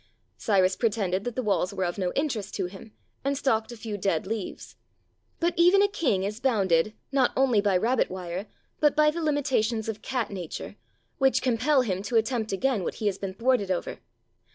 Cyrus pretended that the walls were of no interest to him, and stalked a few dead leaves. But even a king is bounded, not only by rabbit wire, but by the limitations of cat nature, which compelled him to attempt again what he has been thwarted over.